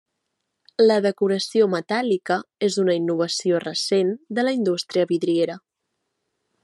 La decoració metàl·lica és una innovació recent de la indústria vidriera.